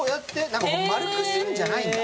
何かまるくするんじゃないんだ